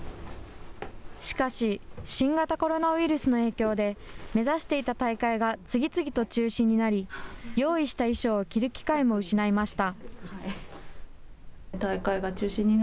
しかし、新型コロナウイルスの影響で、目指していた大会が次々と中止になり、用意した衣装を着る機会も失いました。